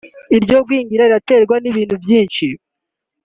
iryo gwingira riraterwa n’ibintu byinshi